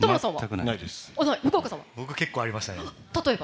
僕は結構ありましたね。